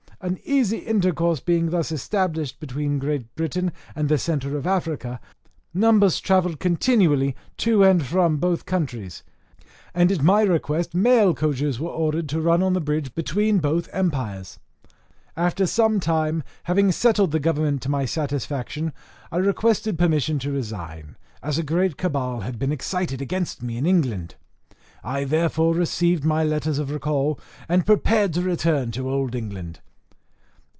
An easy intercourse being thus established between Great Britain and the centre of Africa, numbers travelled continually to and from both countries, and at my request mail coaches were ordered to run on the bridge between both empires. After some time, having settled the government to my satisfaction, I requested permission to resign, as a great cabal had been excited against me in England; I therefore received my letters of recall, and prepared to return to Old England.